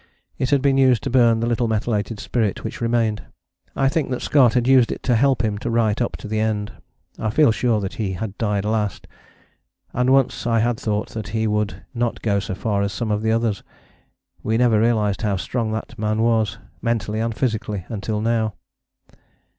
It had been used to burn the little methylated spirit which remained. I think that Scott had used it to help him to write up to the end. I feel sure that he had died last and once I had thought that he would not go so far as some of the others. We never realized how strong that man was, mentally and physically, until now.